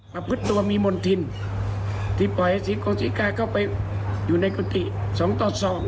ประพฤติตัวมีมณฑินที่ปล่อยศิษย์ของชิคกี้พายเข้าไปอยู่ในกฎิ๒ต่อ๒